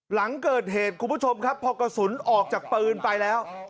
หลังเกิดเหตุคุณผู้ชมครับพอกระสุนออกจากปืนไปแล้ว